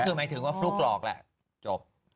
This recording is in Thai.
คือหมายถึงว่าฟลุ๊กหลอกแหละจบ